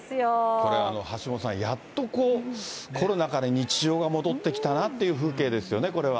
これ、橋下さん、やっとこう、コロナから日常が戻ってきたなという風景ですよね、これは。